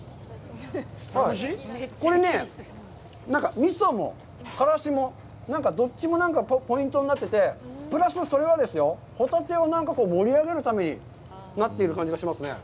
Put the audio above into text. これね、味噌も、からしも、どっちもポイントになってて、プラスそれはですよ、ホタテを盛り上げるためになっている感じがしますね。